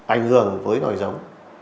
ảnh hưởng với nội dống